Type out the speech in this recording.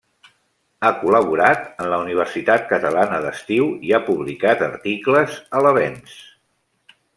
Ha col·laborat en la Universitat Catalana d'Estiu i ha publicat articles a l'Avenç.